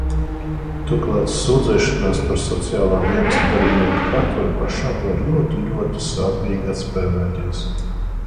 Turklāt sūdzēšanās par Sociālā dienesta darbinieku patvaļu pašam var ļoti, ļoti sāpīgi atspēlēties.